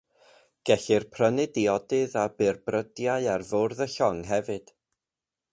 Gellir prynu diodydd a byrbrydau ar fwrdd y llong hefyd.